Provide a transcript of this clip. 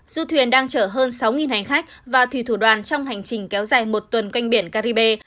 du thuyền đang chở hơn sáu hành khách và thủy thủ đoàn trong hành trình kéo dài một tuần canh biển caribe